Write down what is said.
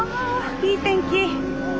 いい天気！